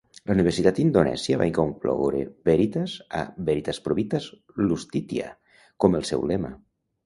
La Universitat d'Indonèsia va incloure veritas a "Veritas, Probitas, Iustitia" com el seu lema.